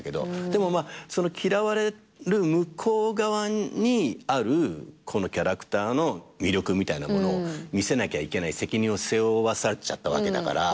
でもその嫌われる向こう側にあるこのキャラクターの魅力みたいなものを見せなきゃいけない責任を背負わされちゃったわけだから。